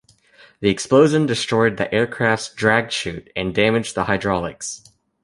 The explosion destroyed the aircraft's drag chute and damaged the hydraulics.